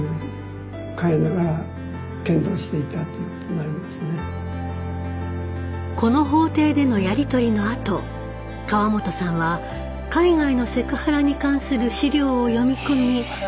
うんなるほどこの法廷でのやり取りのあと川本さんは海外のセクハラに関する資料を読み込み